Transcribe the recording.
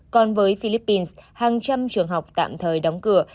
còn với philippines hàng trăm trường học tạm thời đóng cửa